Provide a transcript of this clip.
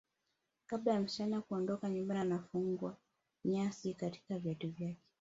Kabla ya msichana kuondoka nyumbani anafungwa nyasi katika viatu vyake